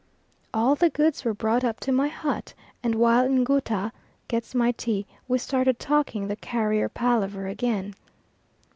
All the goods were brought up to my hut, and while Ngouta gets my tea we started talking the carrier palaver again.